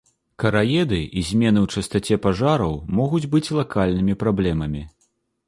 Караеды і змены ў частаце пажараў могуць быць лакальнымі праблемамі.